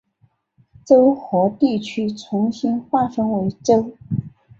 州或地区重新划分为州。